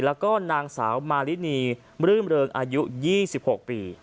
แล้วก็นางสาวมารินีรื่มเริงอายุ๒๖ปี